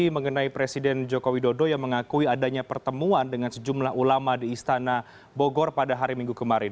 mengenai presiden joko widodo yang mengakui adanya pertemuan dengan sejumlah ulama di istana bogor pada hari minggu kemarin